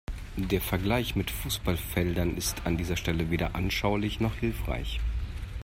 Der Vergleich mit Fußballfeldern ist an dieser Stelle weder anschaulich noch hilfreich.